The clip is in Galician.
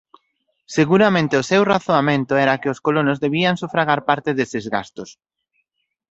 Seguramente o seu razoamento era que os colonos debían sufragar parte deses gastos.